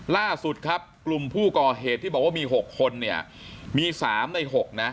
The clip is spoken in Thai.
ล่าสุดครับกลุ่มผู้ก่อเหตุที่บอกว่ามี๖คนเนี่ยมี๓ใน๖นะ